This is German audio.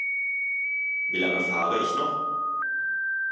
Wie lange fahre ich noch?